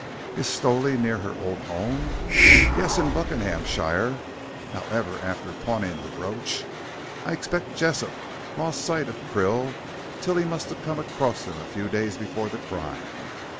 "Is Stowley near her old home?" "Yes in Buckinghamshire. However, after pawning the brooch I expect Jessop lost sight of Krill till he must have come across him a few days before the crime.